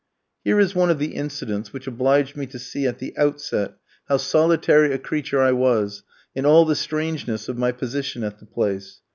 Here is one of the incidents which obliged me to see at the outset, how solitary a creature I was, and all the strangeness of my position at the place.